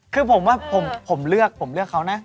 คือผมว่าผมเลือกเขานะ